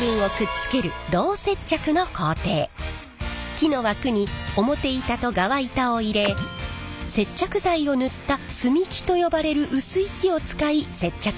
木の枠に表板と側板を入れ接着剤を塗った隅木と呼ばれる薄い木を使い接着します。